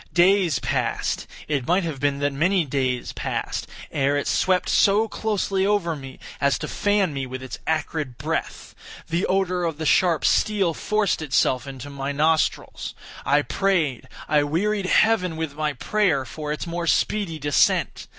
Days passed—it might have been that many days passed—ere it swept so closely over me as to fan me with its acrid breath. The odor of the sharp steel forced itself into my nostrils. I prayed—I wearied heaven with my prayer for its more speedy descent.